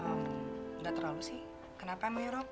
ehm enggak terlalu sih kenapa emang yorob